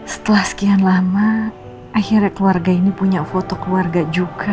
setelah sekian lama akhirnya keluarga ini punya foto keluarga juga